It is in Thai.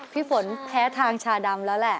พี่ฝนแพ้ทางชาดำแล้วแหละ